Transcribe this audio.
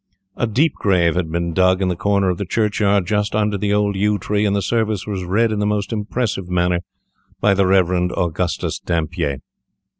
A deep grave had been dug in the corner of the churchyard, just under the old yew tree, and the service was read in the most impressive manner by the Rev. Augustus Dampier.